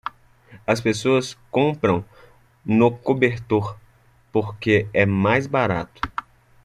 As pessoas compram no cobertor porque é mais barato.